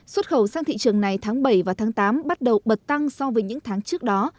xuất khẩu sang thị trường này tháng bảy và tháng tám bắt đầu bật tăng so với những tháng trước đó